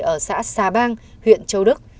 ở xã sa bang huyện châu đức